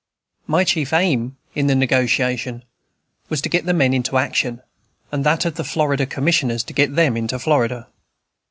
My chief aim in the negotiation was to get the men into action, and that of the Florida Commissioners to get them into Florida.